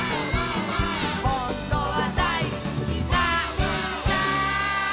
「ほんとはだいすきなんだ」